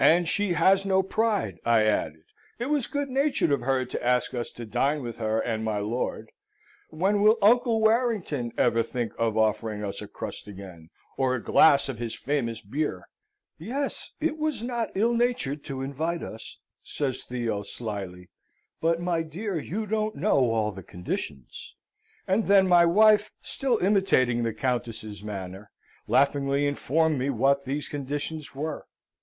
"And she has no pride," I added. "It was good natured of her to ask us to dine with her and my lord. When will Uncle Warrington ever think of offering us a crust again, or a glass of his famous beer?" "Yes, it was not ill natured to invite us," says Theo, slily. "But, my dear, you don't know all the conditions!" And then my wife, still imitating the Countess's manner, laughingly informed me what these conditions were.